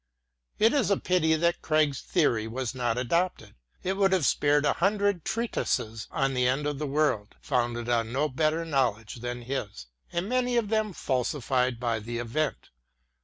It is a pity that Craig's theory was not adopted: it would have spared a hundred treatises on the end of the world, founded on no better knowledge than his, and many of them falsified by the event.